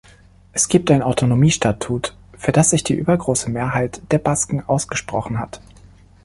Es gibt ein Autonomiestatut, für das sich die übergroße Mehrheit der Basken ausgesprochen hat.